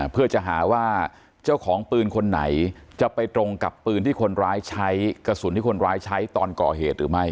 เพื่อจะหาว่าเจ้าของปืนคนไหนจะไปตรงกับปืนที่คนร้ายใช้กระสุนที่คนร้ายใช้ตอนก่อเหตุหรือไม่